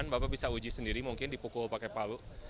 bapak bisa uji sendiri mungkin dipukul pakai palu